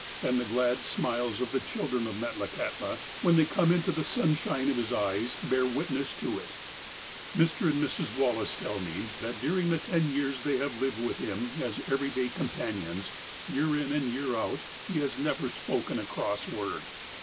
And the glad smiles of the children of Metlakahtia, when they come into the sunshine of his eyes, bear wit ness to it. Mr. and Mrs. "Wallace tell me, that during the ten years they have lived with him as everyday companions, year in and year out, he has never spoken a cross word.